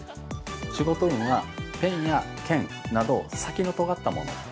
仕事運は、ペンや剣など先のとがったもの。